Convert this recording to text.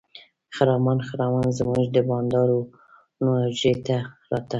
خرامان خرامان زموږ د بانډارونو حجرې ته راته.